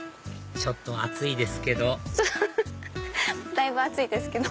ちょっと暑いですけどだいぶ暑いですけど。